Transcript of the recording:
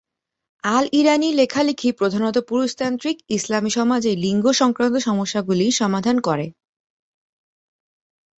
Al-Eryani লেখালেখি প্রধানত পুরুষতান্ত্রিক ইসলামি সমাজে লিঙ্গ সংক্রান্ত সমস্যাগুলির সমাধান করে।